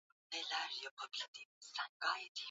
Twaja kula.